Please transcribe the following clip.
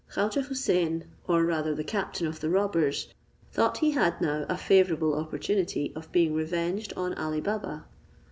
Khaujeh Houssain, or rather the captain of the robbers, thought he had now a favourable opportunity of being revenged on Ali Baba.